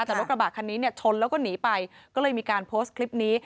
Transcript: แต่รถกระบะคันนี้เนี่ยชนแล้วก็หนีไปก็เลยมีการโพสต์คลิปนี้